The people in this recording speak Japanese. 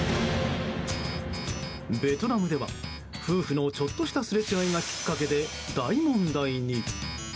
ベトナムでは夫婦のちょっとしたすれ違いがきっかけで大問題に。